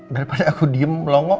daripada aku diem melongo